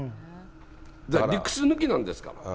理屈抜きなんですから。